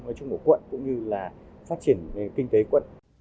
ở trong một quận cũng như phát triển kinh tế quận